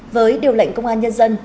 với điều lệnh công an nhân dân